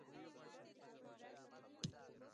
-له نورو سره د اړیکو جوړولو وړتیا